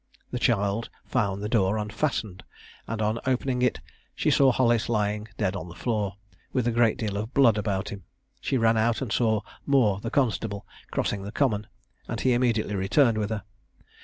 The child found the door unfastened; and, on opening it, she saw Hollis lying dead on the floor, with a great deal of blood about him. She ran out, and saw Moor, the constable, crossing the common, and he immediately returned with her.